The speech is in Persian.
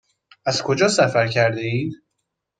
از کجا سفر کرده اید؟